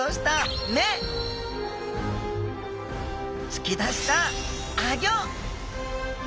つき出したアギョ！